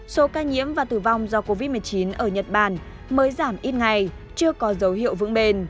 số ca nhiễm và tử vong do covid một mươi chín ở nhật bản mới giảm ít ngày chưa có dấu hiệu vững bền